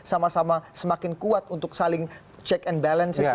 sama sama semakin kuat untuk saling check and balances